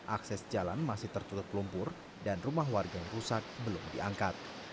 akses jalan masih tertutup lumpur dan rumah warga yang rusak belum diangkat